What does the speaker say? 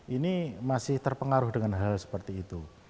ini masih terpengaruh dengan hal seperti itu